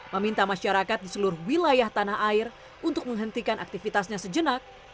meminta masyarakat di seluruh wilayah tanah air untuk menghentikan aktivitasnya sejenak